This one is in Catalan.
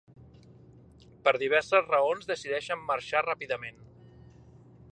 Per diverses raons, decideixen marxar ràpidament.